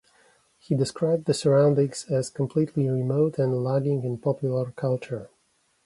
He described the surroundings as completely remote and lagging in popular culture.